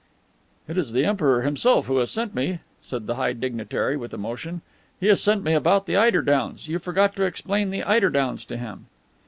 "It is the Emperor himself who has sent me," said the high dignitary with emotion. "He has sent me about the eider downs. You forgot to explain the eider downs to him."